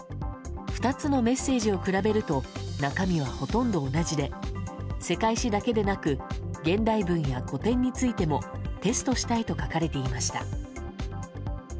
２つのメッセージを比べると中身はほとんど同じで世界史だけでなく現代文や古典についてもテストしたいと書かれていました。